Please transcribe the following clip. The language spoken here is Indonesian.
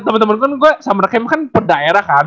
temen temen gue sama rakem kan per daerah kan